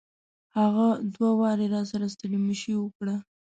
هغه دوه واري راسره ستړي مشي وکړه.